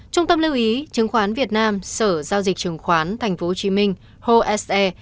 trung tâm lưu ý chứng khoán việt nam sở giao dịch chứng khoán tp hcm hose